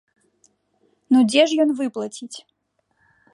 Ну дзе ж ён выплаціць?